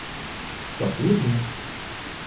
Sag du es mir.